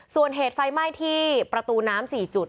ส่วนเหตุไฟไหม้ที่ประตูน้ำ๔จุด